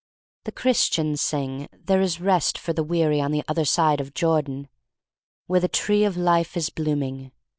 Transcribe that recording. The Christians sing, there is rest for the weary, on the other side of Jordan, where the tree of life is blooming.